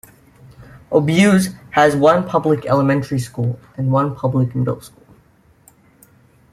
Obuse has one public elementary school and one public middle school.